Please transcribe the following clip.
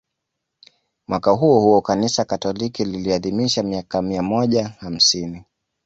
Mwaka huo huo Kanisa Katoliki liliadhimisha miaka mia moja hamsini